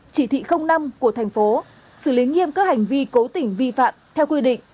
chỉ thị năm của thành phố xử lý nghiêm các hành vi cố tình vi phạm theo quy định